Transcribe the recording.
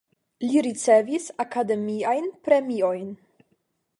Li ricevis akademiajn premiojn.